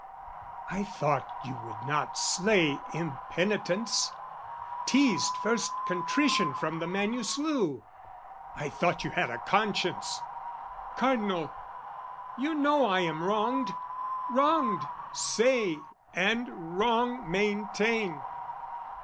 I thought you would not slay impenitence, Teazed first contrition from the man you slew, I thought you had a conscience. Cardinal, You know I am wronged! wronged, say, and wronged maintain.